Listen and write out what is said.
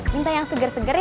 minta yang segar segar ya